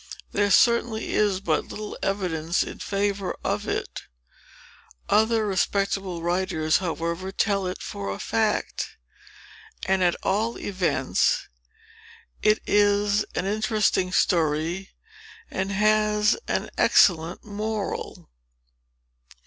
There certainly is but little evidence in favor of it. Other respectable writers, however, tell it for a fact; and, at all events, it is an interesting story, and has an excellent moral."